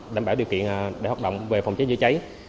đảm bảo điều kiện để hoạt động về phòng cháy chữa cháy